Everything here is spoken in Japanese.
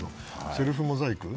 セルフモザイク。